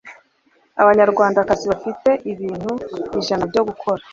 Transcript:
Abanyarwandakazi bafite ibintu ijana byo gukora.